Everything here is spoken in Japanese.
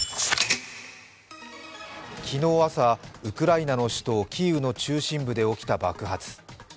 昨日朝、ウクライナの首都キーウの中心部で起きた爆発。